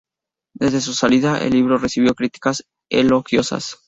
Desde su salida, el libro recibió críticas elogiosas.